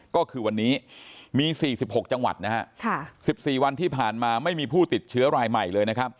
ก็คือวันนี้มี๔๖จังหวัดนะฮะ๑๔วันที่ผ่านมาไม่มีผู้ติดเชื้อรายใหม่เลยนะครับ